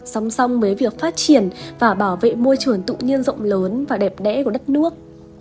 song song với việc phát triển và bảo vệ môi trường tự nhiên rộng lớn và đẹp đẽ của đất nước